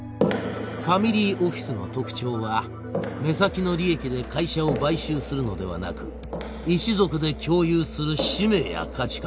ファミリーオフィスの特徴は目先の利益で会社を買収するのではなく一族で共有する使命や価値観